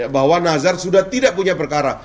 bahwa nazar sudah tidak punya perkara